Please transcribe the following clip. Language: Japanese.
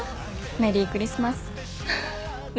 メリークリスマス翡翠。